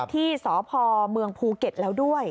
ที่สพเมืองภูเก็ตแล้วด้วย